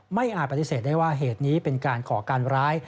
อาจปฏิเสธได้ว่าเหตุนี้เป็นการก่อการร้าย